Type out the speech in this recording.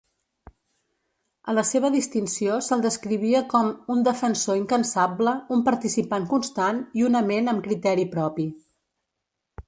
A la seva distinció se'l descrivia com "un defensor incansable, un participant constant i una ment amb criteri propi".